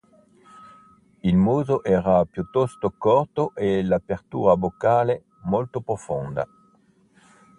Il muso era piuttosto corto e l'apertura boccale molto profonda.